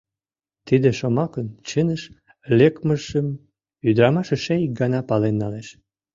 Тиде шомакын чыныш лекмыжым ӱдырамаш эше ик гана пален налеш.